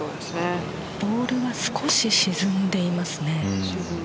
ボールが少し沈んでいますね。